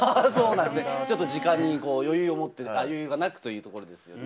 時間に余裕を持ってという余裕がなくというところですかね。